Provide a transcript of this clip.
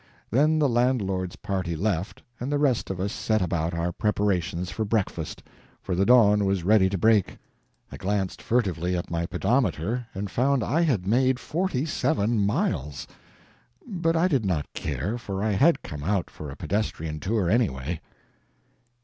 Then the landlord's party left, and the rest of us set about our preparations for breakfast, for the dawn was ready to break. I glanced furtively at my pedometer, and found I had made 47 miles. But I did not care, for I had come out for a pedestrian tour anyway.